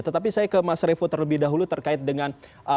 tetapi saya ke mas revo terlebih dahulu terkait dengan